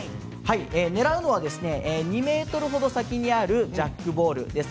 狙うのは、２ｍほど先にあるジャックボールです。